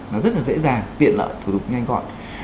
nó rất là dễ dàng tiện lợi thủ tục nhanh gọn